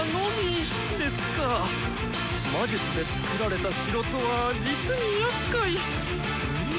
「魔術」でつくられた城とは実にやっかいウーム。